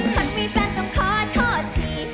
ฉันมีแฟนต้องขอโทษที